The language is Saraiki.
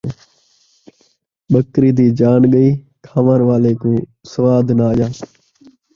ٻکری دی جان ڳئی، کھاوݨ والے کوں سواد نہ آیا